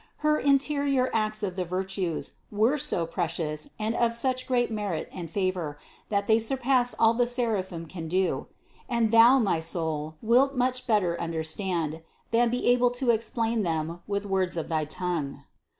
Her interior acts of the virtues were so precious and of such great merit and favor, that they surpass all that the seraphim can do ; and thou, my soul, wilt much better understand, than be able to explain them with words of thy tongue.